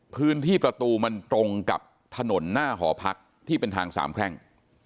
พื้นที่ประตูมันตรงกับถนนหน้าหอพักที่เป็นทางสามแพร่ง